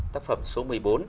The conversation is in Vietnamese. tác phẩm số một mươi bốn